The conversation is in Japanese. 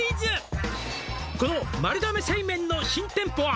「この丸亀製麺の新店舗は」